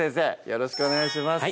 よろしくお願いします